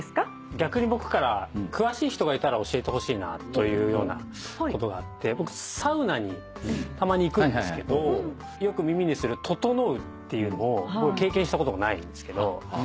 逆に僕から詳しい人がいたら教えてほしいなというようなことがあって僕サウナにたまに行くんですけどよく耳にする「ととのう」っていうのを僕経験したことがないんですけど何すか？